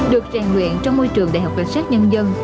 được rèn luyện trong môi trường đại học cảnh sát nhân dân